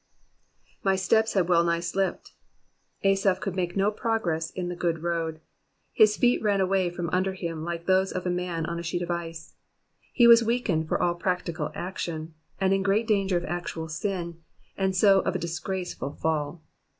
*M/y steps hid well nigh slipped.'''' ^\^aph could make no progress in the good road, his feet ran away from under him like those of a man on a sheet of ice. He was weakened for all practical action, and in great danger of actual sin, and so of a disgraceful fall.